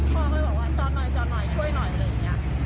พ่อก็เลยบอกว่าจอดหน่อยจอดหน่อยช่วยหน่อยอะไรอย่างนี้